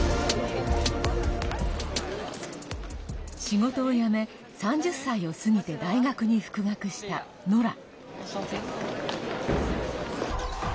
仕事を辞め、３０歳を過ぎて大学に復学したノラ。